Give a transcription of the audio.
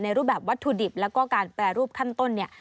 รูปแบบวัตถุดิบแล้วก็การแปรรูปขั้นต้นเนี่ย